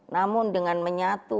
namun dengan menyatu